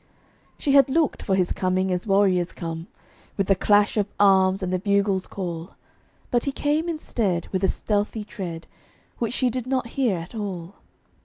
She had looked for his coming as warriors come, With the clash of arms and the bugle's call: But he came instead with a stealthy tread, Which she did not hear at all.